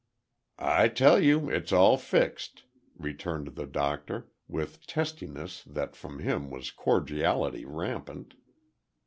"I tell you it's all fixed," returned the doctor, with testiness that from him was cordiality rampant.